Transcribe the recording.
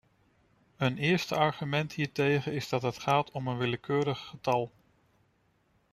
Een eerste argument hiertegen is dat het gaat om een willekeurig getal.